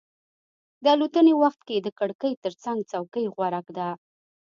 د الوتنې وخت کې د کړکۍ ترڅنګ څوکۍ غوره ده.